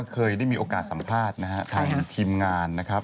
เคยได้มีโอกาสสัมภาษณ์นะฮะทางทีมงานนะครับ